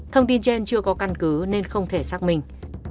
thông tin trên chưa có căn cứ nên không thể xác minh